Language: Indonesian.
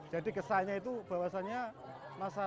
jadi kesannya itu bahwasannya masyarakat desa kemiren itu selalu